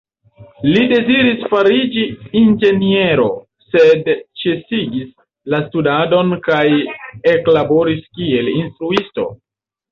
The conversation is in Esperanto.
Li deziris fariĝis inĝeniero, sed ĉesigis la studadon kaj eklaboris kiel instruisto.